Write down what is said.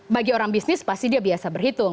bagi orang bisnis pasti dia biasa berhitung